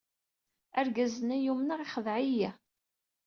Argaz-nni ay umneɣ, yexdeɛ-iyi.